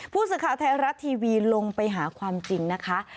ผู้สื่อข่าวไทยรัฐทีวีลงไปหาความจริงนะคะ